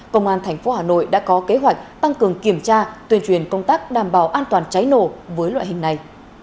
công an tp hà nội đã có kế hoạch tăng cường kiểm tra tuyên truyền công tác đảm bảo an toàn cháy nổ với loại hình này